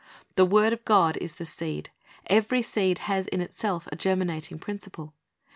The word of God is the seed. Every seed has in itself a germinating principle.